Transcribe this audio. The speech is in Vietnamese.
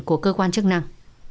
của cơ quan chức năng